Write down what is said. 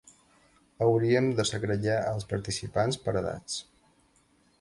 Hauríem de segregar els participants per edats.